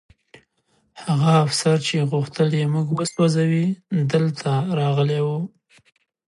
هغه افسر چې غوښتل یې موږ وسوځوي دلته راغلی و